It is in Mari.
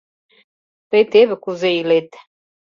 — Тый теве кузе илет...